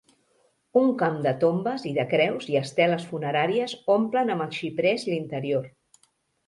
Un camp de tombes i de creus i esteles funeràries omplen amb els xiprers l'interior.